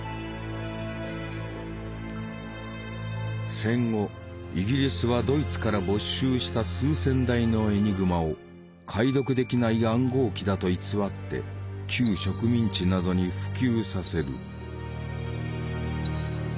戦後イギリスはドイツから没収した数千台のエニグマを解読できない暗号機だと偽って旧植民地などに普及させる。